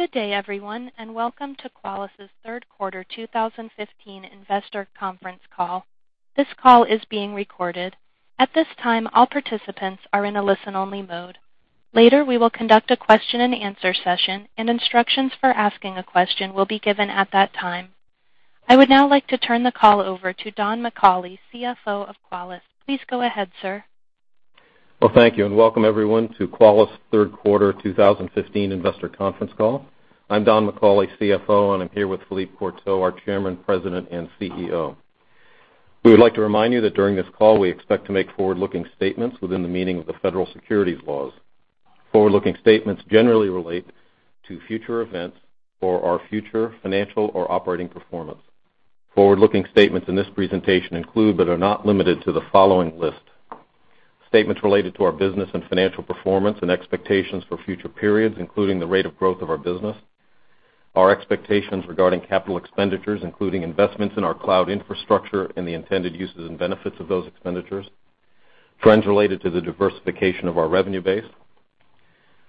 Good day, everyone, and welcome to Qualys's third quarter 2015 investor conference call. This call is being recorded. At this time, all participants are in a listen-only mode. Later, we will conduct a question and answer session, and instructions for asking a question will be given at that time. I would now like to turn the call over to Don McCauley, CFO of Qualys. Please go ahead, sir. Well, thank you, welcome, everyone to Qualys's third quarter 2015 investor conference call. I'm Don McCauley, CFO, I'm here with Philippe Courtot, our Chairman, President, and CEO. We would like to remind you that during this call, we expect to make forward-looking statements within the meaning of the federal securities laws. Forward-looking statements generally relate to future events or our future financial or operating performance. Forward-looking statements in this presentation include, are not limited to, the following list. Statements related to our business and financial performance and expectations for future periods, including the rate of growth of our business. Our expectations regarding capital expenditures, including investments in our cloud infrastructure and the intended uses and benefits of those expenditures. Trends related to the diversification of our revenue base.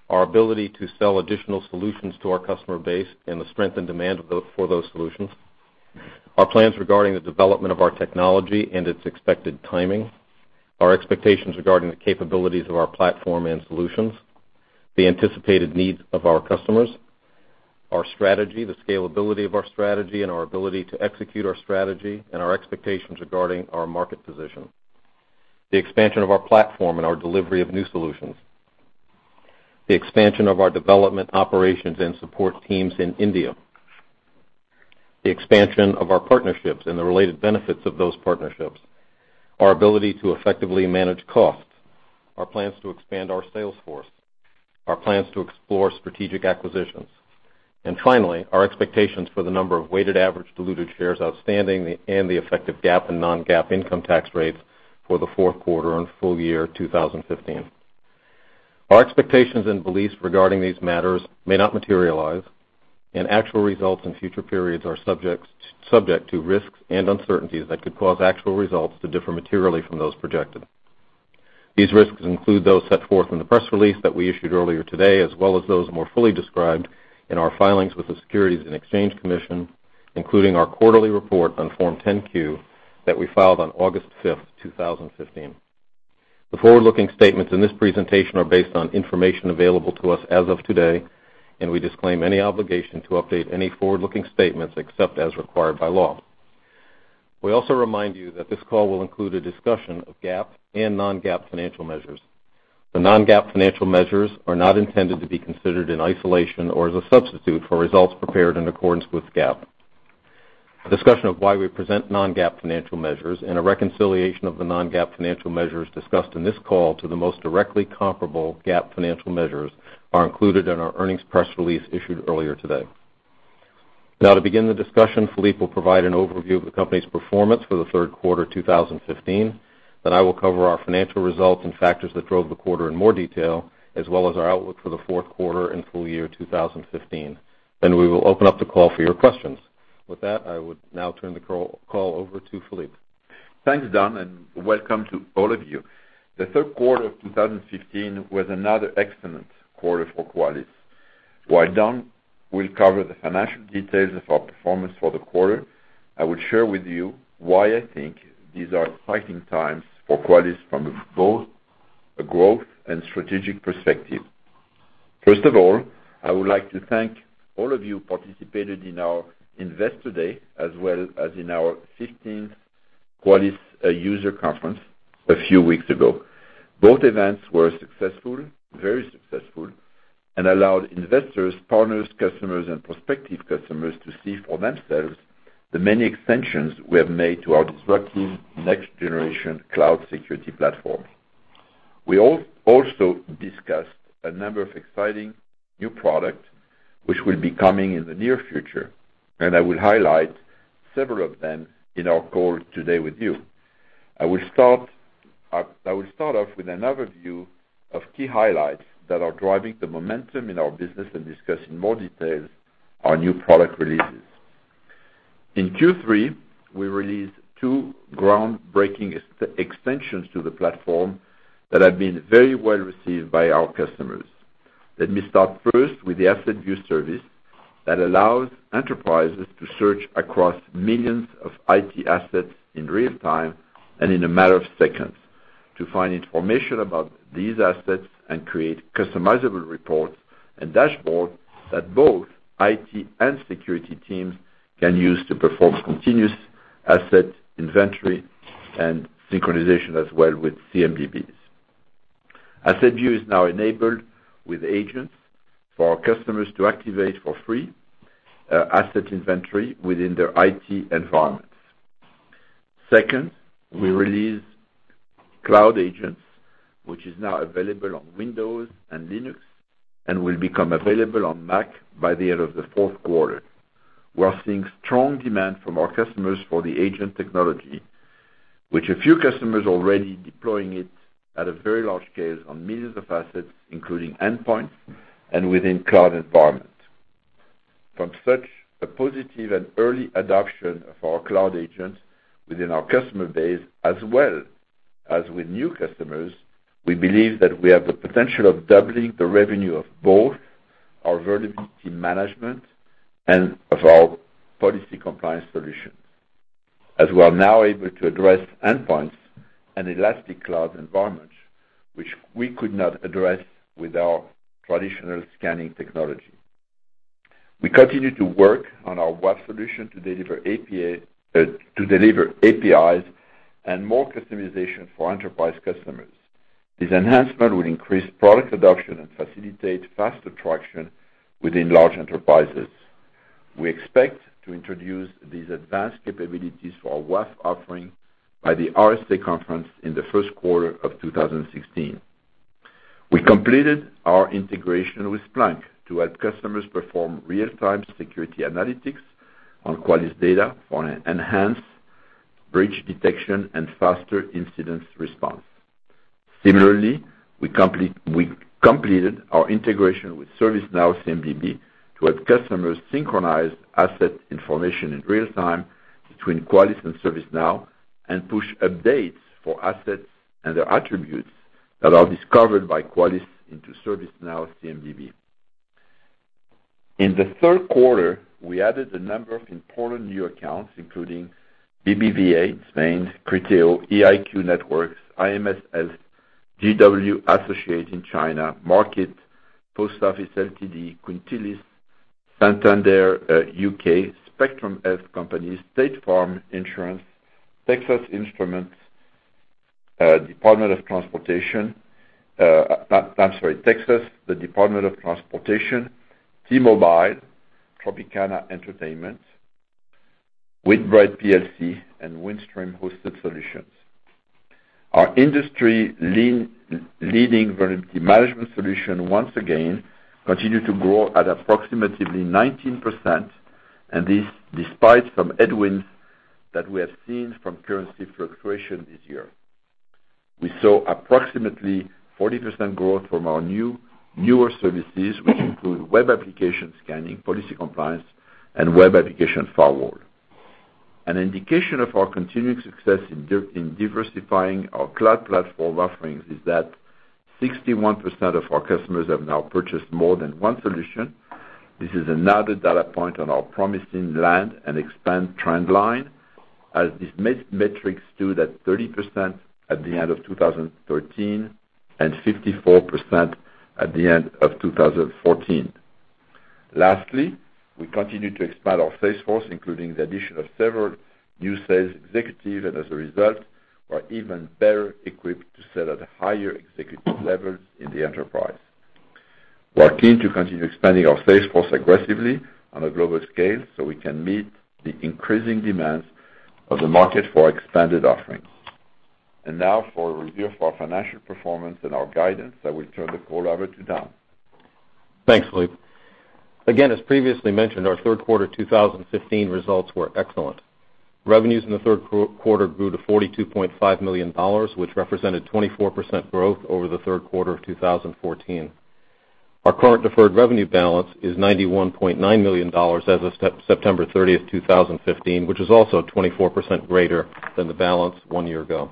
Our ability to sell additional solutions to our customer base and the strength and demand for those solutions. Our plans regarding the development of our technology and its expected timing. Our expectations regarding the capabilities of our platform and solutions. The anticipated needs of our customers. Our strategy, the scalability of our strategy, and our ability to execute our strategy and our expectations regarding our market position. The expansion of our platform and our delivery of new solutions. The expansion of our development operations and support teams in India. The expansion of our partnerships and the related benefits of those partnerships. Our ability to effectively manage costs. Our plans to expand our sales force. Our plans to explore strategic acquisitions. Finally, our expectations for the number of weighted average diluted shares outstanding and the effective GAAP and non-GAAP income tax rates for the fourth quarter and full year 2015. Our expectations and beliefs regarding these matters may not materialize, actual results in future periods are subject to risks and uncertainties that could cause actual results to differ materially from those projected. These risks include those set forth in the press release that we issued earlier today, as well as those more fully described in our filings with the Securities and Exchange Commission, including our quarterly report on Form 10-Q that we filed on August 5th, 2015. The forward-looking statements in this presentation are based on information available to us as of today, we disclaim any obligation to update any forward-looking statements except as required by law. We also remind you that this call will include a discussion of GAAP and non-GAAP financial measures. The non-GAAP financial measures are not intended to be considered in isolation or as a substitute for results prepared in accordance with GAAP. A discussion of why we present non-GAAP financial measures and a reconciliation of the non-GAAP financial measures discussed in this call to the most directly comparable GAAP financial measures are included in our earnings press release issued earlier today. To begin the discussion, Philippe will provide an overview of the company's performance for the third quarter 2015. I will cover our financial results and factors that drove the quarter in more detail, as well as our outlook for the fourth quarter and full year 2015. We will open up the call for your questions. With that, I would now turn the call over to Philippe. Thanks, Don, and welcome to all of you. The third quarter of 2015 was another excellent quarter for Qualys. While Don will cover the financial details of our performance for the quarter, I will share with you why I think these are exciting times for Qualys from both a growth and strategic perspective. First of all, I would like to thank all of you who participated in our Investor Day, as well as in our 15th Qualys User Conference a few weeks ago. Both events were successful, very successful, and allowed investors, partners, customers, and prospective customers to see for themselves the many extensions we have made to our disruptive next-generation cloud security platform. We also discussed a number of exciting new products which will be coming in the near future, and I will highlight several of them in our call today with you. I will start off with an overview of key highlights that are driving the momentum in our business and discuss in more detail our new product releases. In Q3, we released two groundbreaking extensions to the platform that have been very well received by our customers. Let me start first with the AssetView service that allows enterprises to search across millions of IT assets in real time and in a matter of seconds to find information about these assets and create customizable reports and dashboards that both IT and security teams can use to perform continuous asset inventory and synchronization as well with CMDBs. AssetView is now enabled with agents for our customers to activate for free asset inventory within their IT environments. Second, we released Cloud Agents, which is now available on Windows and Linux and will become available on Mac by the end of the fourth quarter. We are seeing strong demand from our customers for the agent technology, with a few customers already deploying it at a very large scale on millions of assets, including endpoints and within cloud environments. From such a positive and early adoption of our Cloud Agents within our customer base as well as with new customers, we believe that we have the potential of doubling the revenue of both our vulnerability management and of our Policy Compliance solutions, as we are now able to address endpoints and elastic cloud environments, which we could not address with our traditional scanning technology. We continue to work on our WAF solution to deliver APIs and more customization for enterprise customers. This enhancement will increase product adoption and facilitate faster traction within large enterprises. We expect to introduce these advanced capabilities for our WAF offering by the RSA Conference in the first quarter of 2016. We completed our integration with Splunk to help customers perform real-time security analytics on Qualys' data for enhanced breach detection and faster incident response. Similarly, we completed our integration with ServiceNow CMDB to help customers synchronize asset information in real time between Qualys and ServiceNow, and push updates for assets and their attributes that are discovered by Qualys into ServiceNow CMDB. In the third quarter, we added a number of important new accounts, including BBVA, Spain; Criteo; EiQ Networks; IMS Health; GW Associate in China; Markit; Post Office Ltd.; Quintiles; Santander UK; Spectrum Health; State Farm; Texas Instruments; Texas Department of Transportation; T-Mobile; Tropicana Entertainment; Whitbread PLC; and Windstream Hosted Solutions. Our industry-leading vulnerability management solution once again continued to grow at approximately 19%, and this despite some headwinds that we have seen from currency fluctuation this year. We saw approximately 40% growth from our newer services, which include Web Application Scanning, Policy Compliance, and Web Application Firewall. An indication of our continuing success in diversifying our cloud platform offerings is that 61% of our customers have now purchased more than one solution. This is another data point on our promising land and expand trend line, as these metrics stood at 30% at the end of 2013 and 54% at the end of 2014. Lastly, we continue to expand our sales force, including the addition of several new sales executives, and as a result, we are even better equipped to sell at higher executive levels in the enterprise. We are keen to continue expanding our sales force aggressively on a global scale so we can meet the increasing demands of the market for expanded offerings. Now for a review of our financial performance and our guidance. I will turn the call over to Don. Thanks, Philippe. Again, as previously mentioned, our third quarter 2015 results were excellent. Revenues in the third quarter grew to $42.5 million, which represented 24% growth over the third quarter of 2014. Our current deferred revenue balance is $91.9 million as of September 30th, 2015, which is also 24% greater than the balance one year ago.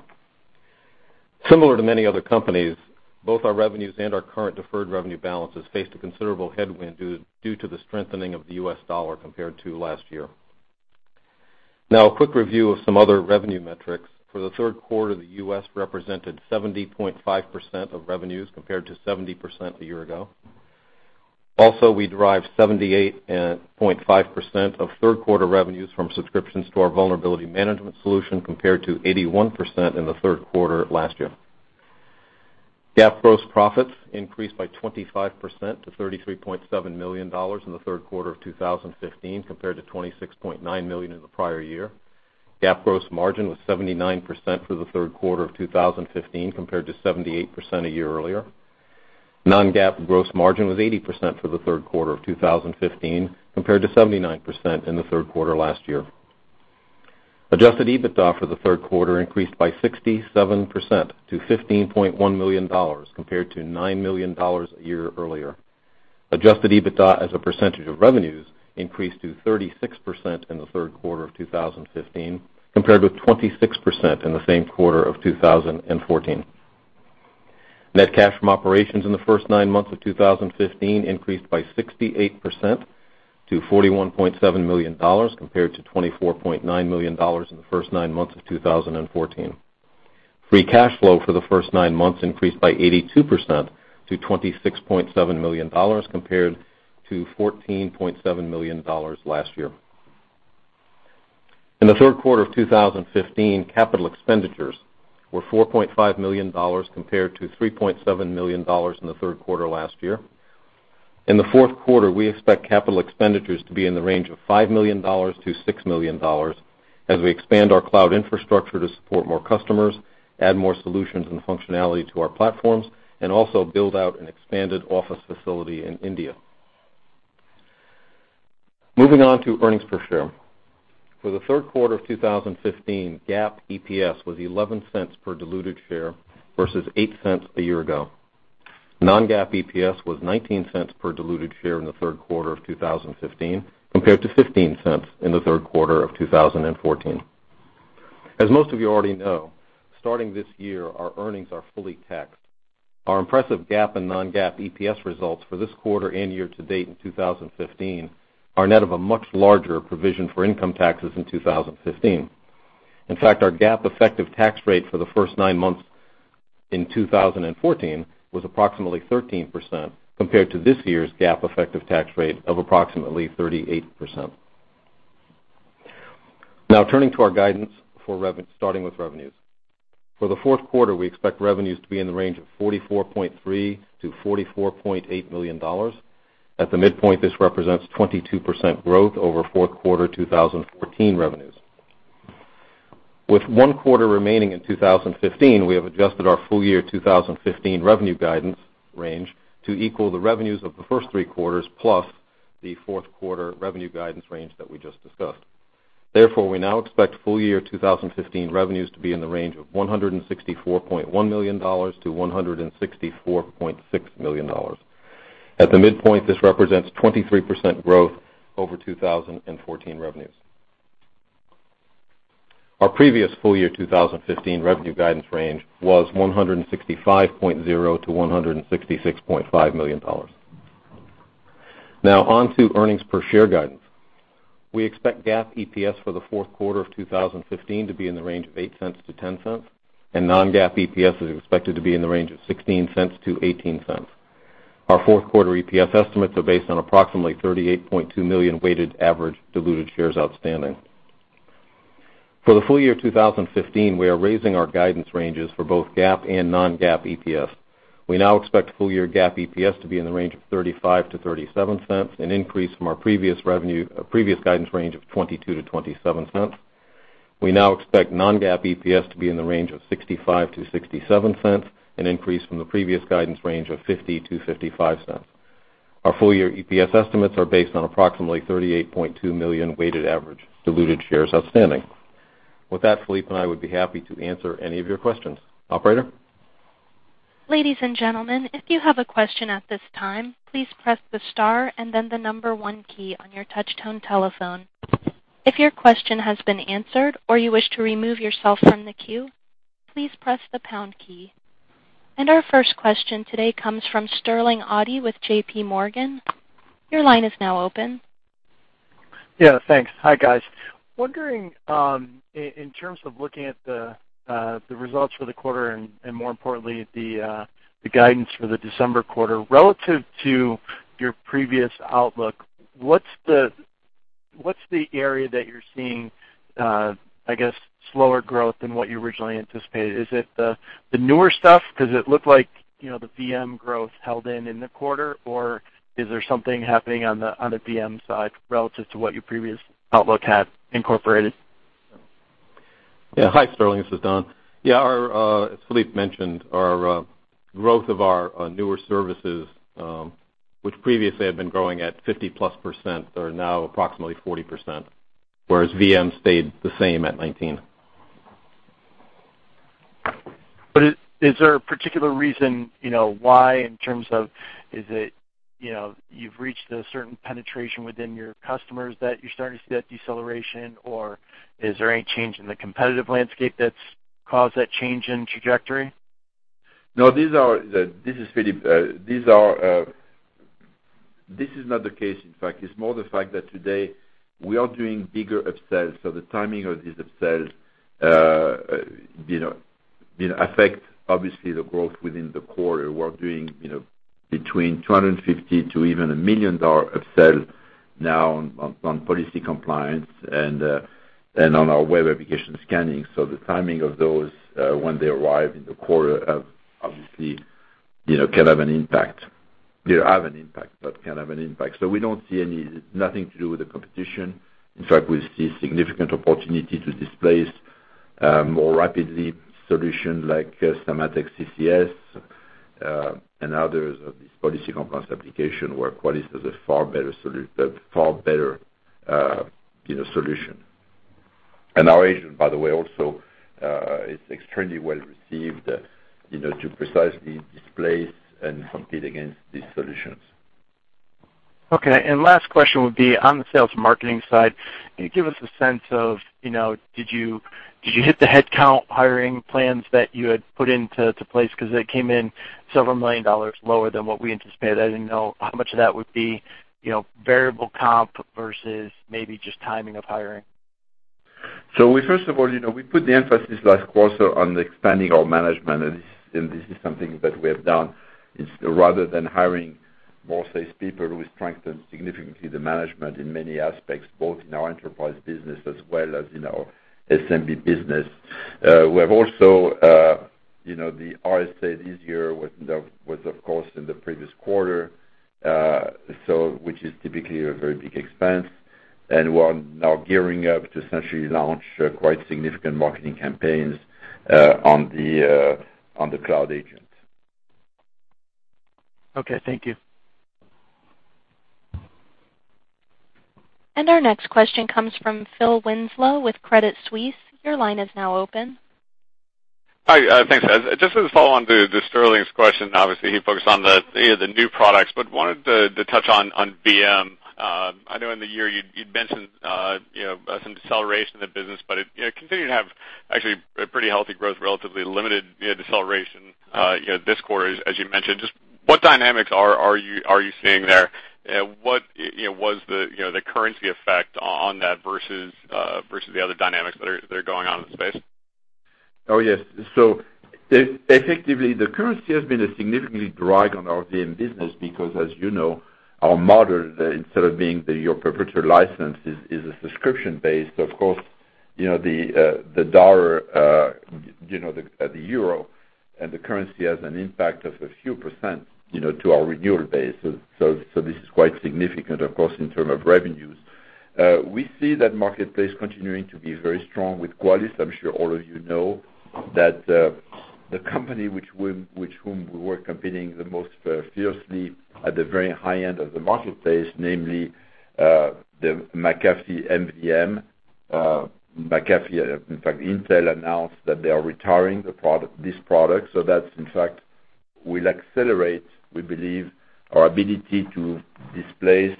Similar to many other companies, both our revenues and our current deferred revenue balances faced a considerable headwind due to the strengthening of the U.S. dollar compared to last year. Now, a quick review of some other revenue metrics. For the third quarter, the U.S. represented 70.5% of revenues, compared to 70% a year ago. Also, we derived 78.5% of third-quarter revenues from subscriptions to our vulnerability management solution, compared to 81% in the third quarter last year. GAAP gross profits increased by 25% to $33.7 million in the third quarter of 2015, compared to $26.9 million in the prior year. GAAP gross margin was 79% for the third quarter of 2015, compared to 78% a year earlier. Non-GAAP gross margin was 80% for the third quarter of 2015, compared to 79% in the third quarter last year. Adjusted EBITDA for the third quarter increased by 67% to $15.1 million, compared to $9 million a year earlier. Adjusted EBITDA as a percentage of revenues increased to 36% in the third quarter of 2015, compared with 26% in the same quarter of 2014. Net cash from operations in the first nine months of 2015 increased by 68% to $41.7 million, compared to $24.9 million in the first nine months of 2014. Free cash flow for the first nine months increased by 82% to $26.7 million, compared to $14.7 million last year. In the third quarter of 2015, capital expenditures were $4.5 million, compared to $3.7 million in the third quarter last year. In the fourth quarter, we expect capital expenditures to be in the range of $5 million to $6 million as we expand our cloud infrastructure to support more customers, add more solutions and functionality to our platforms, and also build out an expanded office facility in India. Moving on to earnings per share. For the third quarter of 2015, GAAP EPS was $0.11 per diluted share versus $0.08 a year ago. Non-GAAP EPS was $0.19 per diluted share in the third quarter of 2015, compared to $0.15 in the third quarter of 2014. As most of you already know, starting this year, our earnings are fully taxed. Our impressive GAAP and non-GAAP EPS results for this quarter and year to date in 2015 are net of a much larger provision for income taxes in 2015. In fact, our GAAP effective tax rate for the first nine months in 2014 was approximately 13%, compared to this year's GAAP effective tax rate of approximately 38%. Turning to our guidance, starting with revenues. For the fourth quarter, we expect revenues to be in the range of $44.3 million to $44.8 million. At the midpoint, this represents 22% growth over fourth quarter 2014 revenues. With one quarter remaining in 2015, we have adjusted our full year 2015 revenue guidance range to equal the revenues of the first three quarters, plus the fourth quarter revenue guidance range that we just discussed. We now expect full year 2015 revenues to be in the range of $164.1 million to $164.6 million. At the midpoint, this represents 23% growth over 2014 revenues. Our previous full year 2015 revenue guidance range was $165.0 million to $166.5 million. On to earnings per share guidance. We expect GAAP EPS for the fourth quarter of 2015 to be in the range of $0.08-$0.10, and non-GAAP EPS is expected to be in the range of $0.16-$0.18. Our fourth quarter EPS estimates are based on approximately 38.2 million weighted average diluted shares outstanding. For the full year 2015, we are raising our guidance ranges for both GAAP and non-GAAP EPS. We now expect full year GAAP EPS to be in the range of $0.35-$0.37, an increase from our previous guidance range of $0.22-$0.27. We now expect non-GAAP EPS to be in the range of $0.65-$0.67, an increase from the previous guidance range of $0.50-$0.55. Our full-year EPS estimates are based on approximately 38.2 million weighted average diluted shares outstanding. With that, Philippe and I would be happy to answer any of your questions. Operator? Ladies and gentlemen, if you have a question at this time, please press the star and then the number one key on your touchtone telephone. If your question has been answered or you wish to remove yourself from the queue, please press the pound key. Our first question today comes from Sterling Auty with JP Morgan. Your line is now open. Yeah, thanks. Hi, guys. Wondering, in terms of looking at the results for the quarter and more importantly, the guidance for the December quarter, relative to your previous outlook, what's the area that you're seeing, I guess, slower growth than what you originally anticipated? Is it the newer stuff? Because it looked like the VM growth held in in the quarter, or is there something happening on the VM side relative to what your previous outlook had incorporated? Yeah. Hi, Sterling, this is Don. Yeah, as Philippe mentioned, our growth of our newer services, which previously had been growing at 50-plus % are now approximately 40%, whereas VM stayed the same at 19. Is there a particular reason why, in terms of, is it you've reached a certain penetration within your customers that you're starting to see that deceleration, or is there any change in the competitive landscape that's caused that change in trajectory? No, this is Philippe. This is not the case, in fact. It's more the fact that today we are doing bigger upsells, the timing of these upsells affect, obviously, the growth within the quarter. We're doing between $250 to even a $1 million upsell now on Policy Compliance and on our Web Application Scanning. The timing of those, when they arrive in the quarter, obviously can have an impact. They have an impact, but can have an impact. We don't see any. Nothing to do with the competition. In fact, we see significant opportunity to displace more rapidly solutions like Symantec, CCS, and others of these Policy Compliance application where Qualys is a far better solution. Our agent, by the way, also is extremely well received to precisely displace and compete against these solutions. Okay. Last question would be on the sales and marketing side. Can you give us a sense of did you hit the headcount hiring plans that you had put into place? Because they came in several million dollars lower than what we anticipated. I didn't know how much of that would be variable comp versus maybe just timing of hiring. We first of all, we put the emphasis last quarter on expanding our management, this is something that we have done. Rather than hiring more sales people, we strengthened significantly the management in many aspects, both in our enterprise business as well as in our SMB business. We have also, the RSA this year was, of course, in the previous quarter, which is typically a very big expense. We are now gearing up to essentially launch quite significant marketing campaigns on the Cloud Agent. Okay. Thank you. Our next question comes from Phil Winslow with Credit Suisse. Your line is now open. Hi, thanks. Just as a follow-on to Sterling's question, obviously he focused on the new products, but wanted to touch on VM. I know in the year you'd mentioned some deceleration in the business, but it continued to have actually a pretty healthy growth, relatively limited deceleration this quarter, as you mentioned. Just what dynamics are you seeing there? What was the currency effect on that versus the other dynamics that are going on in the space? Oh, yes. Effectively, the currency has been a significant drag on our VM business because, as you know, our model, instead of being your perpetual license, is a subscription base. Of course, the dollar, the euro and the currency has an impact of a few % to our renewal base. This is quite significant, of course, in term of revenues. We see that marketplace continuing to be very strong with Qualys. I'm sure all of you know that the company with whom we were competing the most fiercely at the very high end of the marketplace, namely the McAfee MVM. McAfee, in fact Intel announced that they are retiring this product. That, in fact, will accelerate, we believe our ability to displace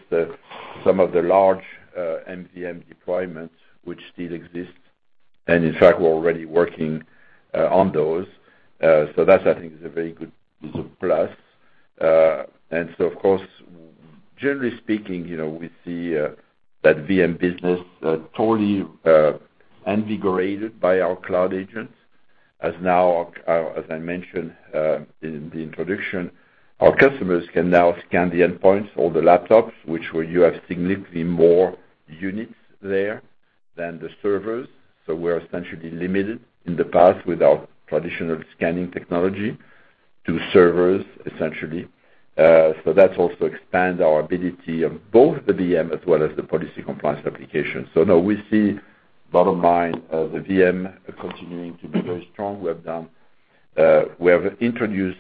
some of the large MVM deployments which still exist. In fact, we're already working on those. That, I think, is a plus. Of course, generally speaking, we see that VM business totally invigorated by our Cloud Agent, as I mentioned in the introduction. Our customers can now scan the endpoints or the laptops, which where you have significantly more units there than the servers. So we're essentially limited in the past with our traditional scanning technology to servers, essentially. That also expands our ability of both the VM as well as the Policy Compliance application. So no, we see bottom line of the VM continuing to be very strong. We have introduced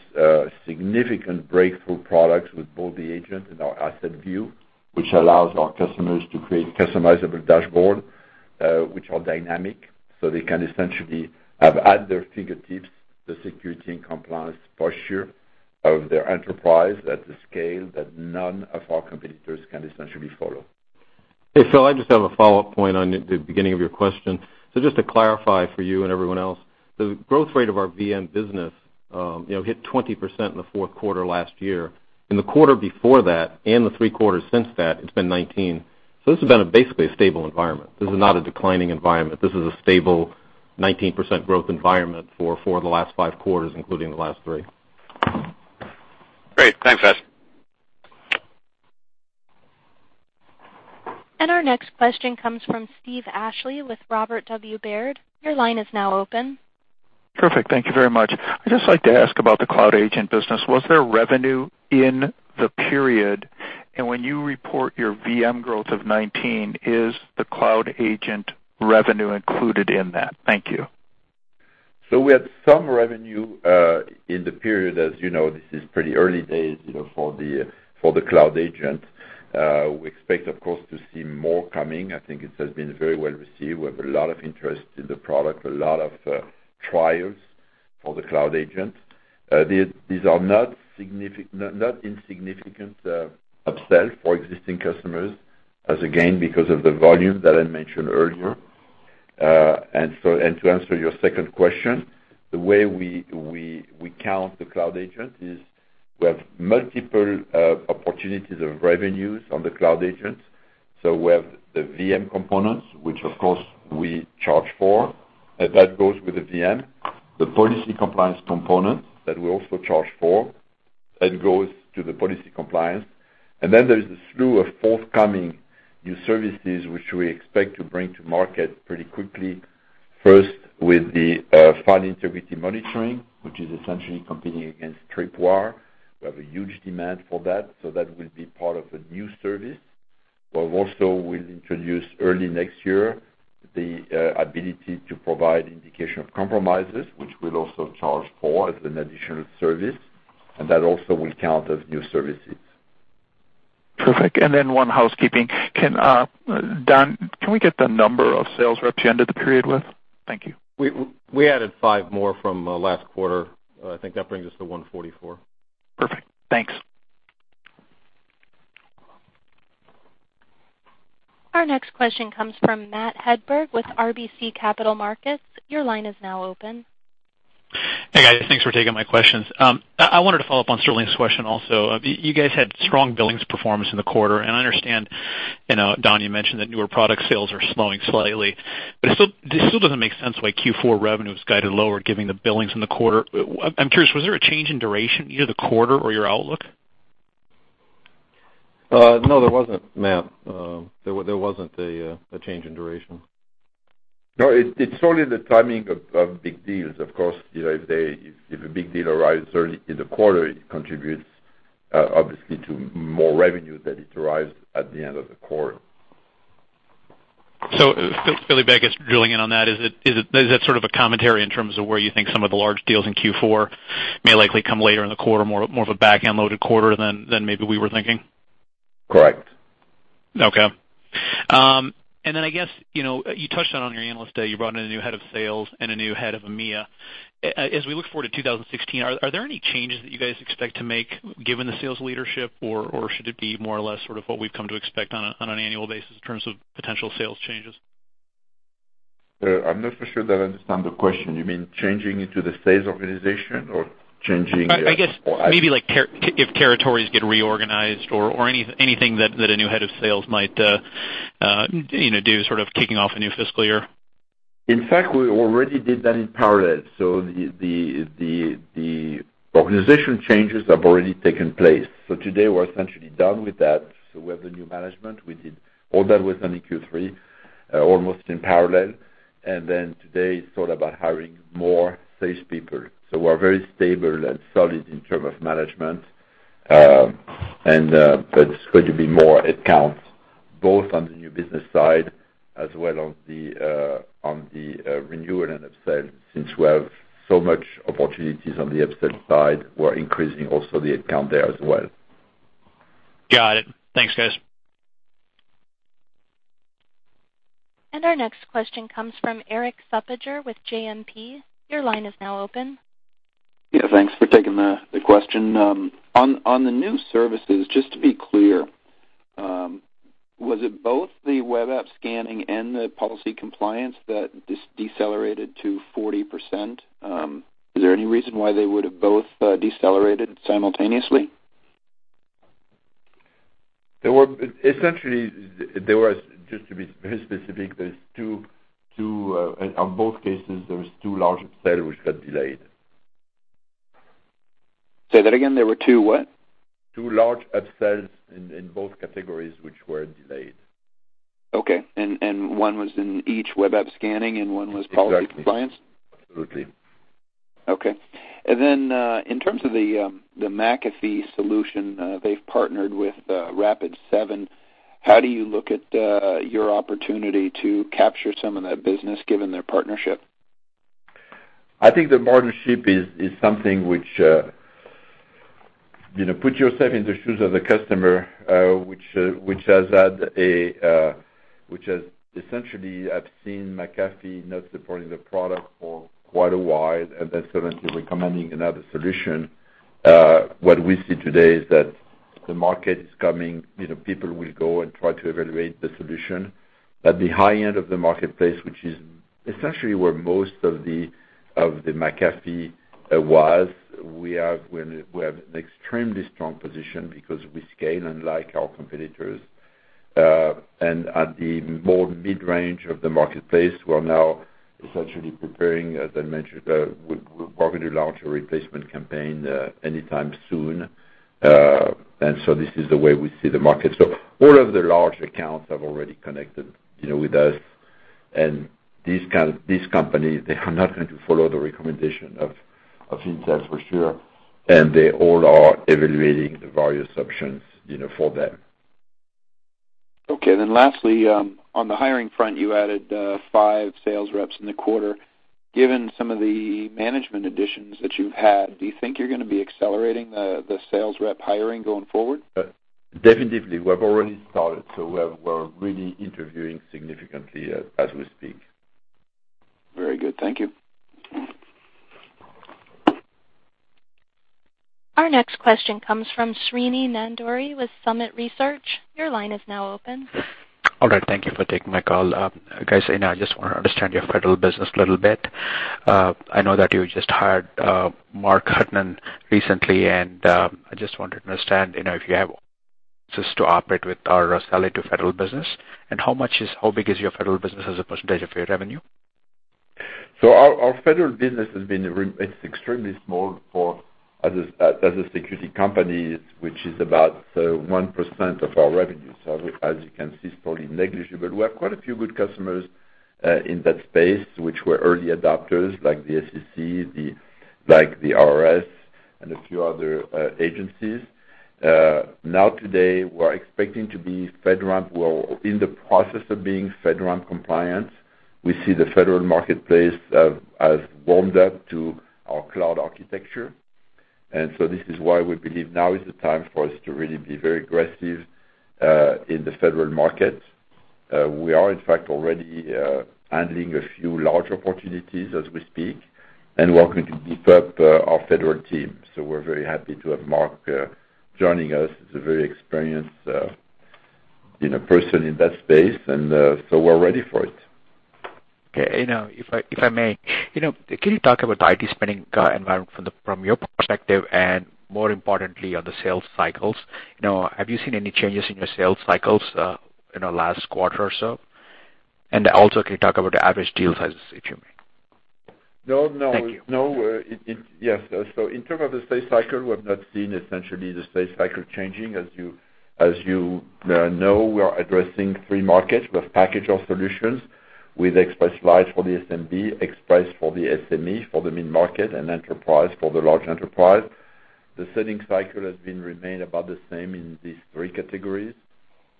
significant breakthrough products with both the agent and our AssetView, which allows our customers to create customizable dashboard, which are dynamic, so they can essentially have at their fingertips the security and compliance posture of their enterprise at the scale that none of our competitors can essentially follow. Hey, Phil, I just have a follow-up point on the beginning of your question. Just to clarify for you and everyone else, the growth rate of our VM business hit 20% in the fourth quarter last year. In the quarter before that and the three quarters since that, it's been 19. So this has been basically a stable environment. This is not a declining environment. This is a stable 19% growth environment for four of the last five quarters, including the last three. Great. Thanks, guys. Our next question comes from Steve Ashley with Robert W. Baird. Your line is now open. Perfect. Thank you very much. I'd just like to ask about the Cloud Agent business. Was there revenue in the period? When you report your VM growth of 19, is the Cloud Agent revenue included in that? Thank you. We had some revenue in the period. As you know, this is pretty early days for the Cloud Agent. We expect, of course, to see more coming. I think it has been very well received. We have a lot of interest in the product, a lot of trials for the Cloud Agent. These are not insignificant upsell for existing customers as again, because of the volume that I mentioned earlier. To answer your second question, the way we count the Cloud Agent is we have multiple opportunities of revenues on the Cloud Agent. We have the VM components, which of course we charge for, and that goes with the VM. The Policy Compliance component that we also charge for, that goes to the Policy Compliance. There's a slew of forthcoming new services which we expect to bring to market pretty quickly. First with the File Integrity Monitoring, which is essentially competing against Tripwire. We have a huge demand for that, so that will be part of a new service. We'll introduce early next year the ability to provide indication of compromises, which we'll also charge for as an additional service, and that also will count as new services. Perfect. One housekeeping. Don, can we get the number of sales reps you ended the period with? Thank you. We added five more from last quarter. I think that brings us to 144. Perfect. Thanks. Our next question comes from Matt Hedberg with RBC Capital Markets. Your line is now open. Hey, guys, thanks for taking my questions. I wanted to follow up on Sterling's question also. You guys had strong billings performance in the quarter, and I understand, Don, you mentioned that newer product sales are slowing slightly, but this still doesn't make sense why Q4 revenue is guided lower, given the billings in the quarter. I'm curious, was there a change in duration, either quarter or your outlook? No, there wasn't, Matt. There wasn't a change in duration. No, it's only the timing of big deals. Of course, if a big deal arrives early in the quarter, it contributes obviously to more revenue than it arrives at the end of the quarter. Philippe, I guess drilling in on that, is that sort of a commentary in terms of where you think some of the large deals in Q4 may likely come later in the quarter, more of a back-end loaded quarter than maybe we were thinking? Correct. Okay. Then I guess, you touched on your analyst day, you brought in a new head of sales and a new head of EMEA. As we look forward to 2016, are there any changes that you guys expect to make given the sales leadership, or should it be more or less sort of what we've come to expect on an annual basis in terms of potential sales changes? I'm not for sure that I understand the question. You mean changing into the sales organization or changing- I guess maybe like if territories get reorganized or anything that a new head of sales might do sort of kicking off a new fiscal year. In fact, we already did that in parallel. The organization changes have already taken place. Today we're essentially done with that. We have the new management. We did all that within Q3, almost in parallel. Today it's sort of about hiring more salespeople. We're very stable and solid in term of management. It's going to be more headcounts both on the new business side as well on the renewal and upsell. Since we have so much opportunities on the upsell side, we're increasing also the headcount there as well. Got it. Thanks, guys. Our next question comes from Erik Suppiger with JMP. Your line is now open. Yeah, thanks for taking the question. On the new services, just to be clear, was it both the web app scanning and the Policy Compliance that decelerated to 40%? Is there any reason why they would have both decelerated simultaneously? Essentially, just to be very specific, on both cases, there was two large upsell which got delayed. Say that again. There were two what? Two large upsells in both categories which were delayed. Okay. One was in each Web Application Scanning and one was Policy Compliance. Exactly compliance? Absolutely. Okay. In terms of the McAfee solution, they've partnered with Rapid7. How do you look at your opportunity to capture some of that business given their partnership? I think the partnership is something which, put yourself in the shoes of the customer, which has essentially have seen McAfee not supporting the product for quite a while, then suddenly recommending another solution. What we see today is that the market is coming. People will go and try to evaluate the solution. At the high end of the marketplace, which is essentially where most of the McAfee was, we have an extremely strong position because we scale unlike our competitors. At the more mid-range of the marketplace, we are now essentially preparing, as I mentioned, we're probably going to launch a replacement campaign anytime soon. This is the way we see the market. All of the large accounts have already connected with us. These companies, they are not going to follow the recommendation of Intel for sure. They all are evaluating the various options for them. Lastly, on the hiring front, you added five sales reps in the quarter. Given some of the management additions that you've had, do you think you're going to be accelerating the sales rep hiring going forward? Definitely. We have already started, we're really interviewing significantly as we speak. Very good. Thank you. Our next question comes from Srini Nandury with Summit Research. Your line is now open. All right. Thank you for taking my call. Guys, I just want to understand your federal business a little bit. I know that you just hired Mark Hutnan recently. If I may, can you talk about the IT spending environment from your perspective and more importantly, on the sales cycles? Have you seen any changes in your sales cycles in the last quarter or so? Can you talk about the average deal sizes, if you may? No. Thank you. Yes. In terms of the sales cycle, we have not seen essentially the sales cycle changing. As you know, we are addressing three markets with package of solutions with Express Lite for the SMB, Express for the SME, for the mid-market, and Enterprise for the large enterprise. The selling cycle has been remained about the same in these three categories.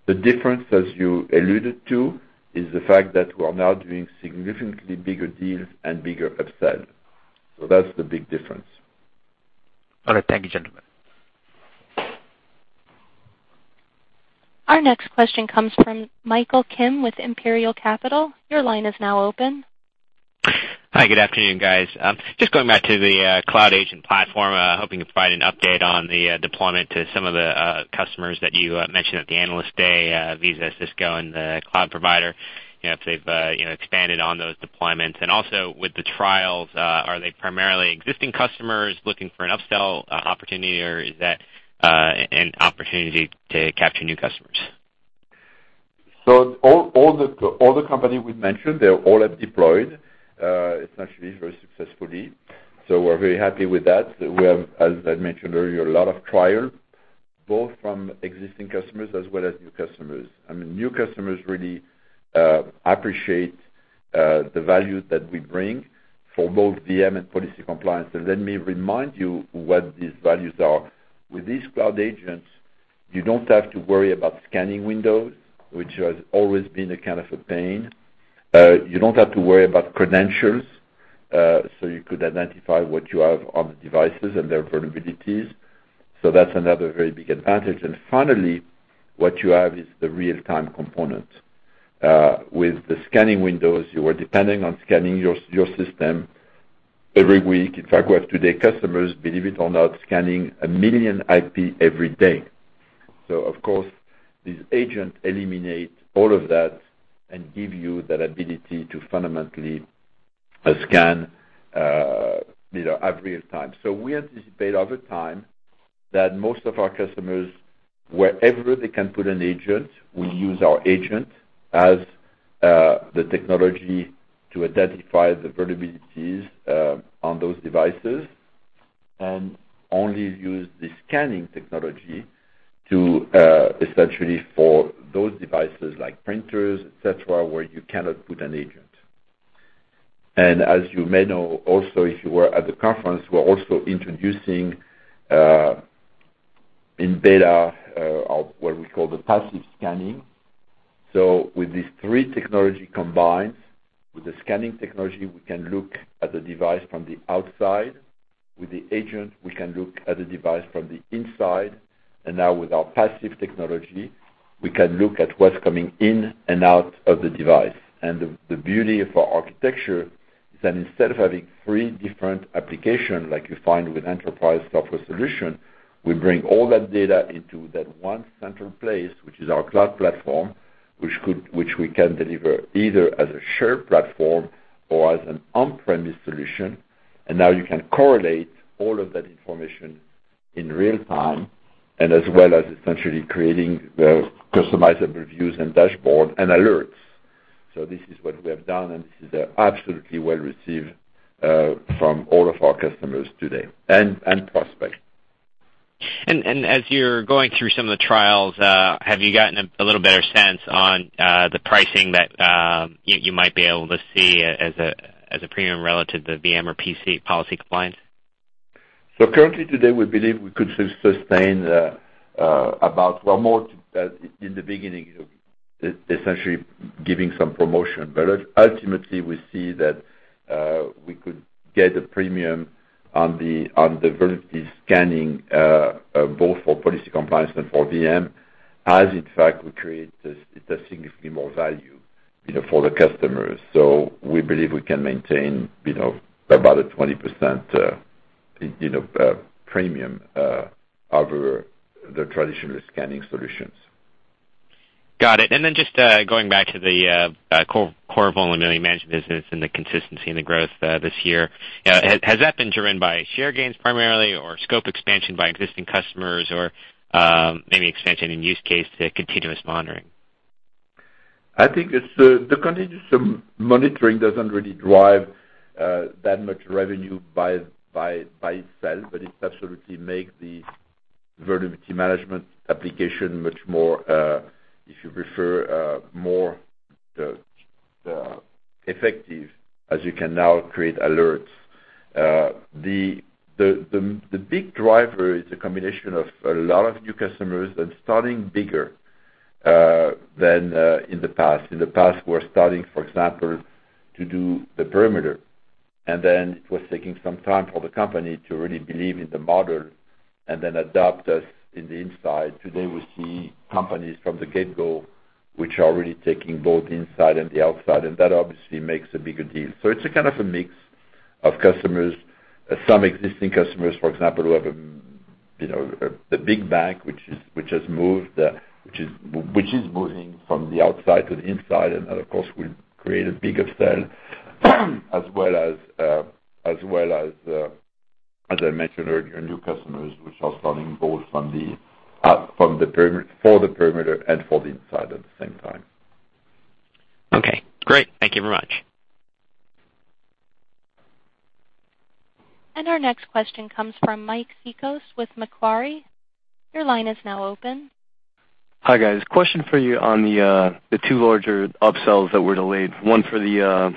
The difference, as you alluded to, is the fact that we are now doing significantly bigger deals and bigger upsell. That's the big difference. All right. Thank you, gentlemen. Our next question comes from Michael Kim with Imperial Capital. Your line is now open. Hi. Good afternoon, guys. Just going back to the Cloud Agent platform, hoping you could provide an update on the deployment to some of the customers that you mentioned at the Analyst Day, Visa, Cisco, and the cloud provider, if they've expanded on those deployments. Also, with the trials, are they primarily existing customers looking for an upsell opportunity, or is that an opportunity to capture new customers? All the company we mentioned, they all have deployed, essentially, very successfully. We're very happy with that. We have, as I mentioned earlier, a lot of trials, both from existing customers as well as new customers. New customers really appreciate the value that we bring for both VM and Policy Compliance. Let me remind you what these values are. With these Cloud Agents, you don't have to worry about scanning windows, which has always been a kind of a pain. You don't have to worry about credentials, so you could identify what you have on the devices and their vulnerabilities. That's another very big advantage. Finally, what you have is the real-time component. With the scanning windows, you are depending on scanning your system every week. In fact, we have today customers, believe it or not, scanning a million IP every day. Of course, these agents eliminate all of that and give you that ability to fundamentally scan at real time. We anticipate, over time, that most of our customers, wherever they can put an agent, will use our agent as the technology to identify the vulnerabilities on those devices, and only use the scanning technology essentially for those devices like printers, et cetera, where you cannot put an agent. As you may know also, if you were at the conference, we're also introducing in beta what we call the passive scanning. With these 3 technology combined, with the scanning technology, we can look at the device from the outside. With the agent, we can look at the device from the inside. Now with our passive technology, we can look at what's coming in and out of the device. The beauty of our architecture is that instead of having 3 different application like you find with enterprise software solution, we bring all that data into that 1 central place, which is our cloud platform, which we can deliver either as a shared platform or as an on-premise solution. Now you can correlate all of that information in real time and as well as essentially creating the customizable views and dashboard and alerts. This is what we have done, and this is absolutely well received from all of our customers today, and prospects. As you're going through some of the trials, have you gotten a little better sense on the pricing that you might be able to see as a premium relative to VM or Policy Compliance? Currently today, we believe we could sustain about, well, more in the beginning, essentially giving some promotion. Ultimately, we see that we could get a premium on the vulnerability scanning, both for Policy Compliance and for VM, as in fact, we create a significantly more value for the customers. We believe we can maintain about a 20% premium over the traditional scanning solutions. Got it. Just going back to the core Vulnerability Management business and the consistency in the growth this year. Has that been driven by share gains primarily or scope expansion by existing customers or maybe expansion in use case to Continuous Monitoring? I think the Continuous Monitoring doesn't really drive that much revenue by itself, it absolutely makes the Vulnerability Management application much more, if you prefer, more effective, as you can now create alerts. The big driver is a combination of a lot of new customers that's starting bigger than in the past. In the past, we're starting, for example, to do the perimeter. It was taking some time for the company to really believe in the model and then adopt us in the inside. Today, we see companies from the get-go which are really taking both inside and the outside, and that obviously makes a bigger deal. It's a kind of a mix of customers. Some existing customers, for example, who have a big bank which is moving from the outside to the inside, that, of course, will create a big upsell, as well as I mentioned earlier, new customers which are starting both for the perimeter and for the inside at the same time. Okay, great. Thank you very much. Our next question comes from Mike Sekos with Macquarie. Your line is now open. Hi, guys. Question for you on the two larger upsells that were delayed, one for the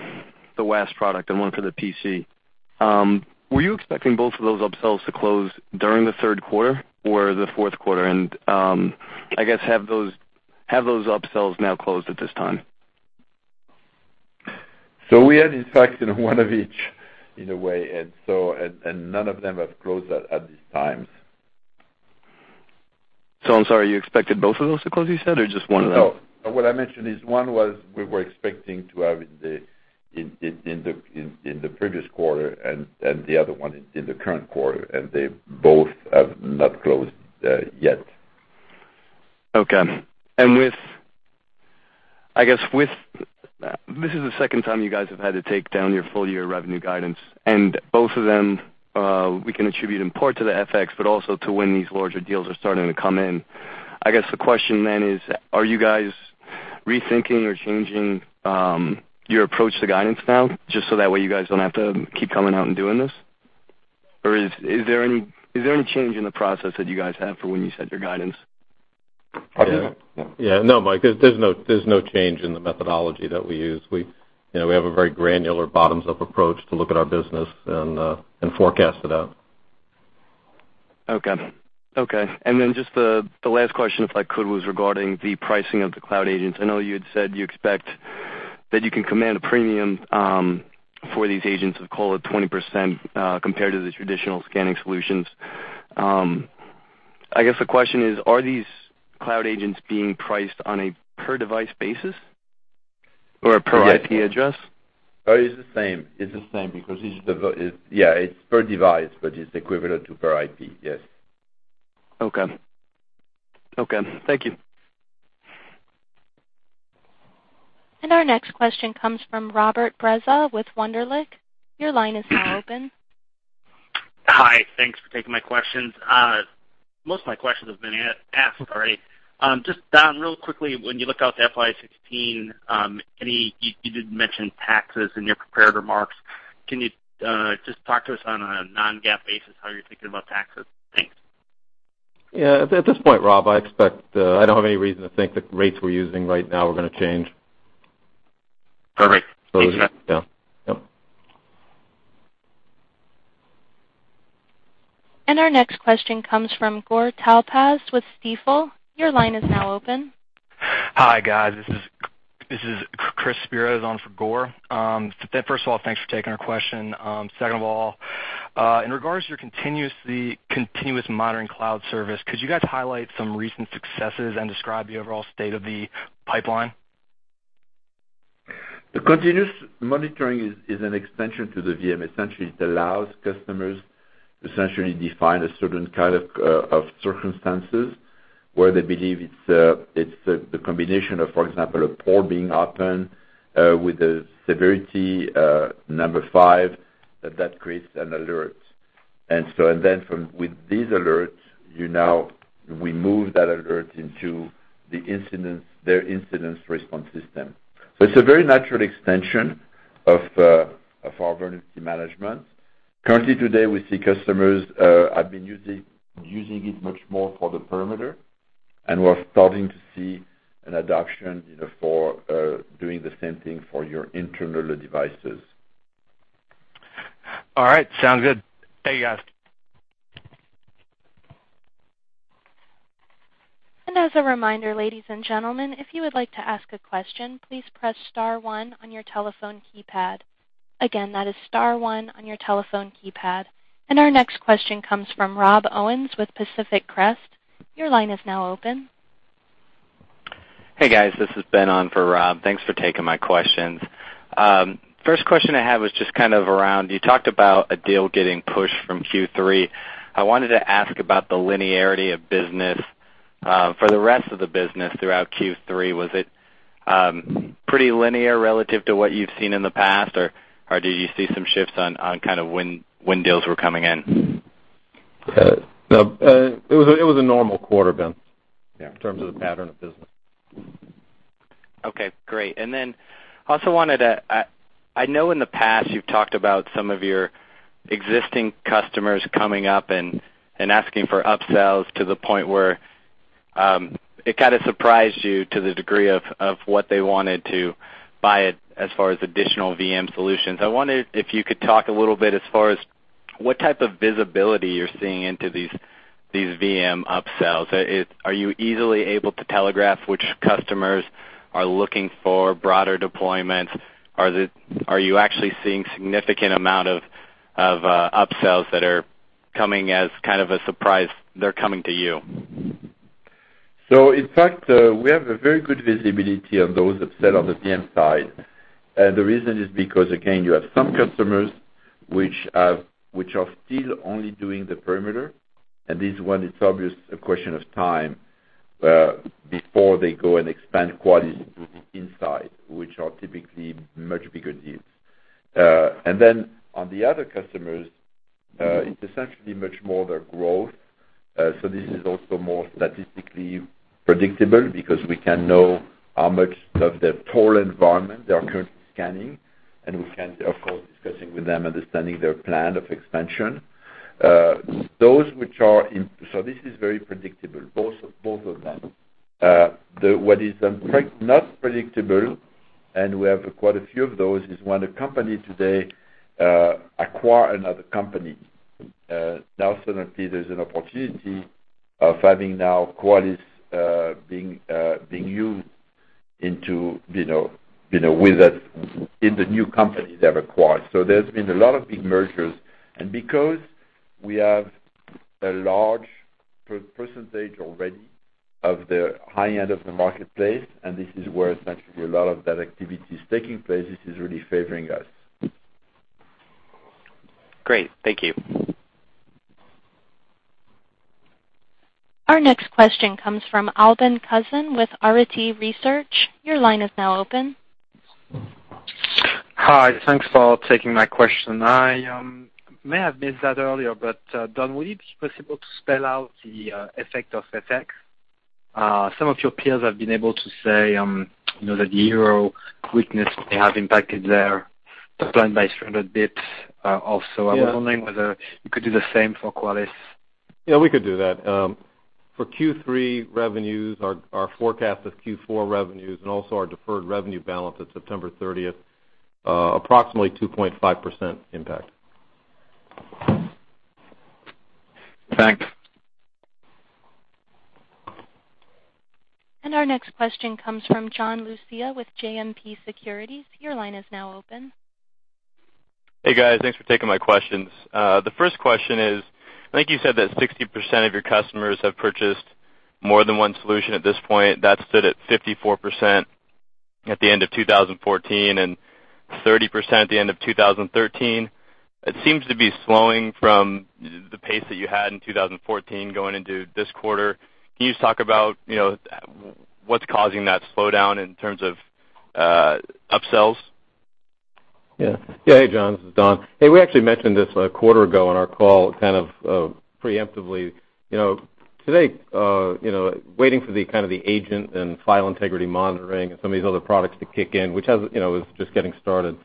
WAS product and one for the PC. Were you expecting both of those upsells to close during the third quarter or the fourth quarter? Have those upsells now closed at this time? We had, in fact, one of each in a way. None of them have closed at this time. I'm sorry, you expected both of those to close, you said, or just one of those? No. What I mentioned is one we were expecting to have in the previous quarter, and the other one in the current quarter, and they both have not closed yet. Okay. This is the second time you guys have had to take down your full-year revenue guidance, and both of them we can attribute in part to the FX, but also to when these larger deals are starting to come in. I guess the question then is: are you guys rethinking or changing your approach to guidance now, just so that way you guys don't have to keep coming out and doing this? Is there any change in the process that you guys have for when you set your guidance? Yeah. No, Mike, there's no change in the methodology that we use. We have a very granular bottoms-up approach to look at our business and forecast it out. Okay. Just the last question, if I could, was regarding the pricing of the Cloud Agents. I know you had said you expect that you can command a premium for these agents, let's call it 20%, compared to the traditional scanning solutions. I guess the question is: are these Cloud Agents being priced on a per device basis or a per IP address? It's the same because it's per device, but it's equivalent to per IP. Yes. Okay. Thank you. Our next question comes from Robert Breza with Wunderlich. Your line is now open. Hi. Thanks for taking my questions. Most of my questions have been asked already. Just, Don, real quickly, when you look out to FY 2016, you did mention taxes in your prepared remarks. Can you just talk to us on a non-GAAP basis how you're thinking about taxes? Thanks. Yeah. At this point, Rob, I don't have any reason to think that the rates we're using right now are going to change. Perfect. Thank you. Yeah. Our next question comes from Gur Talpaz with Stifel. Your line is now open. Hi, guys. This is Chris Spiros on for Gur. First of all, thanks for taking our question. Second of all, in regards to your continuous monitoring cloud service, could you guys highlight some recent successes and describe the overall state of the pipeline? The Qualys Continuous Monitoring is an extension to the VM. It allows customers to define a certain kind of circumstances where they believe it's the combination of, for example, a port being open with the severity number 5, that creates an alert. With these alerts, we move that alert into their incident response system. It's a very natural extension of our vulnerability management. Currently today, we see customers have been using it much more for the perimeter, and we're starting to see an adoption for doing the same thing for your internal devices. All right. Sounds good. Thank you, guys. As a reminder, ladies and gentlemen, if you would like to ask a question, please press star one on your telephone keypad. Again, that is star one on your telephone keypad. Our next question comes from Rob Owens with Pacific Crest. Your line is now open. Hey, guys, this is Ben on for Rob. Thanks for taking my questions. First question I had was just around. You talked about a deal getting pushed from Q3. I wanted to ask about the linearity of business for the rest of the business throughout Q3. Was it pretty linear relative to what you've seen in the past, or did you see some shifts on when deals were coming in? It was a normal quarter, Ben, in terms of the pattern of business. Okay, great. I also wanted to I know in the past you've talked about some of your existing customers coming up and asking for upsells to the point where it kind of surprised you to the degree of what they wanted to buy as far as additional VM solutions. I wondered if you could talk a little bit as far as what type of visibility you're seeing into these VM upsells. Are you easily able to telegraph which customers are looking for broader deployments? Are you actually seeing a significant amount of upsells that are coming as kind of a surprise, they're coming to you? In fact, we have a very good visibility of those upsell on the VM side. The reason is because, again, you have some customers which are still only doing the perimeter. This one, it's obviously a question of time before they go and expand Qualys inside, which are typically much bigger deals. On the other customers, it's essentially much more their growth. This is also more statistically predictable because we can know how much of their total environment they are currently scanning, and we can, of course, discussing with them, understanding their plan of expansion. This is very predictable, both of them. What is not predictable And we have quite a few of those is when a company today acquire another company, now suddenly there's an opportunity of having now Qualys being used in the new company they've acquired. There's been a lot of big mergers. Because we have a large percentage already of the high-end of the marketplace, and this is where essentially a lot of that activity is taking place, this is really favoring us. Great. Thank you. Our next question comes from Alvin Cousin with RIT Research. Your line is now open. Hi. Thanks for taking my question. I may have missed that earlier. Don, will it be possible to spell out the effect of FX? Some of your peers have been able to say that the euro weakness may have impacted their top line by 300 bps also. Yeah. I was wondering whether you could do the same for Qualys. Yeah, we could do that. For Q3 revenues, our forecast of Q4 revenues and also our deferred revenue balance at September 30th, approximately 2.5% impact. Thanks. Our next question comes from John Lucia with JMP Securities. Your line is now open. Hey, guys. Thanks for taking my questions. The first question is, I think you said that 60% of your customers have purchased more than one solution at this point. That stood at 54% at the end of 2014 and 30% at the end of 2013. It seems to be slowing from the pace that you had in 2014 going into this quarter. Can you just talk about what's causing that slowdown in terms of upsells? Yeah. Hey, John, this is Don. Hey, we actually mentioned this a quarter ago on our call kind of preemptively. Today, waiting for the agent and File Integrity Monitoring and some of these other products to kick in, which is just getting started.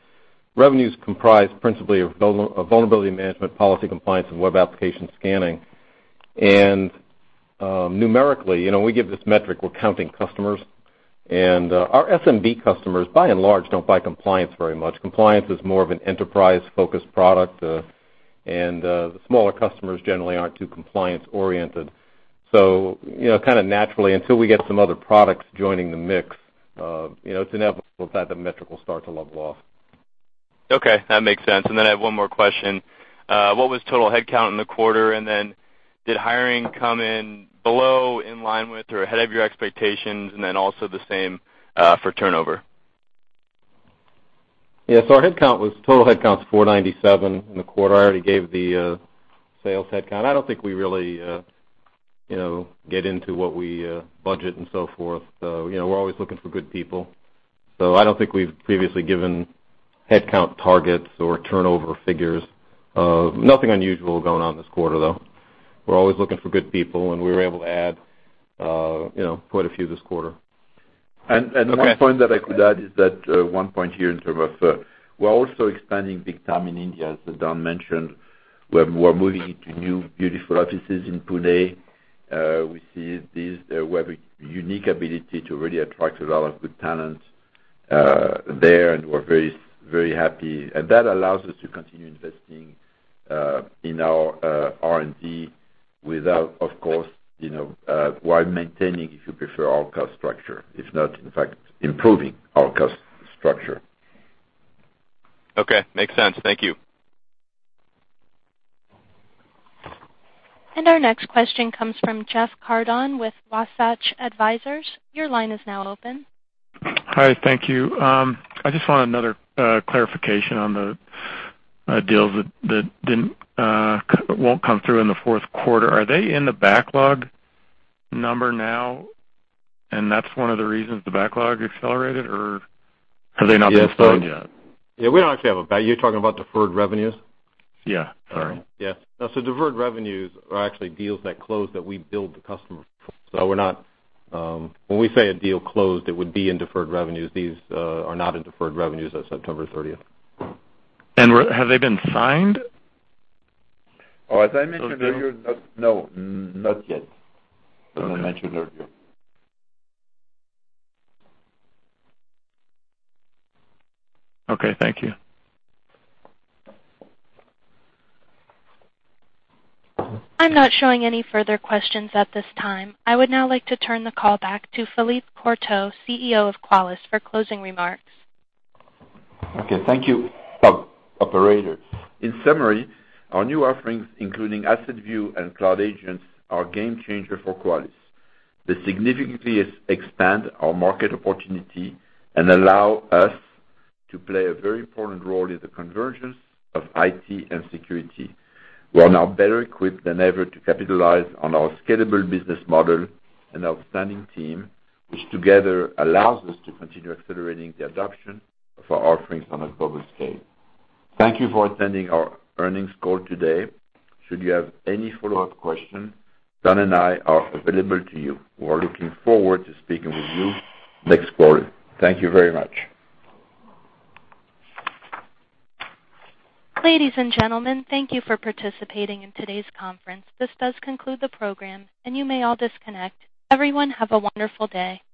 Revenues comprise principally of Vulnerability Management, Policy Compliance, and Web Application Scanning. Numerically, we give this metric, we're counting customers. Our SMB customers, by and large, don't buy compliance very much. Compliance is more of an enterprise-focused product. The smaller customers generally aren't too compliance-oriented. Kind of naturally, until we get some other products joining the mix, it's inevitable that the metric will start to level off. Okay. That makes sense. I have one more question. What was total headcount in the quarter? Did hiring come in below, in line with, or ahead of your expectations, also the same for turnover? Yeah. Our total headcount was 497 in the quarter. I already gave the sales headcount. I don't think we really get into what we budget and so forth. We're always looking for good people. I don't think we've previously given headcount targets or turnover figures. Nothing unusual going on this quarter, though. We're always looking for good people, and we were able to add quite a few this quarter. Okay. One point that I could add is that we're also expanding big time in India, as Don mentioned. We're moving into new, beautiful offices in Pune. We have a unique ability to really attract a lot of good talent there, and we're very happy. That allows us to continue investing in our R&D while maintaining, if you prefer, our cost structure. If not, in fact, improving our cost structure. Okay. Makes sense. Thank you. Our next question comes from Jeff Cardon with Wasatch Advisors. Your line is now open. Hi. Thank you. I just want another clarification on the deals that won't come through in the fourth quarter. Are they in the backlog number now, and that's one of the reasons the backlog accelerated, or have they not been signed yet? Yeah. You're talking about deferred revenues? Yeah. Sorry. Yeah. Deferred revenues are actually deals that closed that we billed the customer for. When we say a deal closed, it would be in deferred revenues. These are not in deferred revenues at September 30th. Have they been signed? As I mentioned earlier, no, not yet, as I mentioned earlier. Okay. Thank you. I'm not showing any further questions at this time. I would now like to turn the call back to Philippe Courtot, CEO of Qualys, for closing remarks. Okay. Thank you, operator. In summary, our new offerings, including AssetView and Cloud Agents, are a game-changer for Qualys. They significantly expand our market opportunity and allow us to play a very important role in the convergence of IT and security. We are now better equipped than ever to capitalize on our scalable business model and outstanding team, which together allows us to continue accelerating the adoption of our offerings on a global scale. Thank you for attending our earnings call today. Should you have any follow-up questions, Don and I are available to you. We are looking forward to speaking with you next quarter. Thank you very much. Ladies and gentlemen, thank you for participating in today's conference. This does conclude the program, and you may all disconnect. Everyone, have a wonderful day.